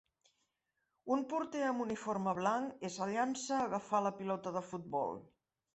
Un porter amb uniforme blanc es llança a agafar la pilota de futbol.